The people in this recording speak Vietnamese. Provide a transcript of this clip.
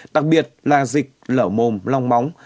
đặc biệt là dịch lở mồm long móng